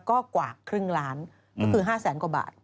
ก็กว่าครึ่งล้านก็คือ๕แสนกว่าบาท